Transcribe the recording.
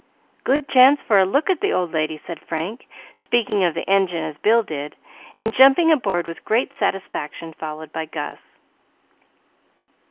"Good chance for a look at the old lady," said Frank, speaking of the engine as Bill did, and jumping aboard with great satisfaction, followed by Gus.